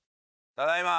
ただいま。